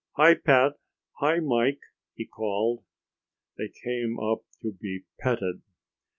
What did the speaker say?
"Hi, Pat. Hi, Mike," he called. They came up to be petted.